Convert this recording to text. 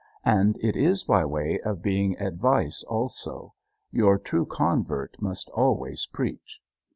And it is by way of being advice also. Your true convert must always preach.